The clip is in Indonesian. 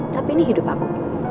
tapi ini hidup aku